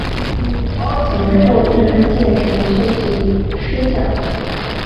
曾获第一届陈秀喜诗奖。